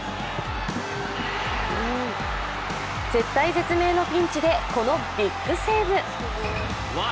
絶体絶命のピンチで、このビッグセーブ。